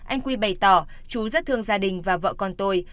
anh quy bày tỏ chú rất thương gia đình và vợ con tôi